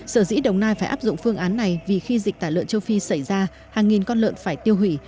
sở dĩ đồng nai phải áp dụng phương án này vì khi dịch tả lợn châu phi xảy ra hàng nghìn con lợn phải tiêu hủy